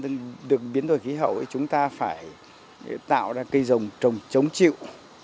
để được biến đổi khí hậu thì chúng ta phải tạo ra cây trồng chống chịu